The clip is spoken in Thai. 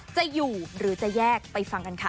จะอยู่หรือจะแยกไปฟังกันค่ะ